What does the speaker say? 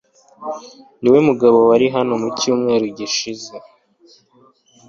Niwe mugabo wari hano mu cyumweru gishize